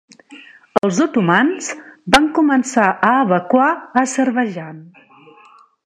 Els otomans van començar a evacuar Azerbaidjan.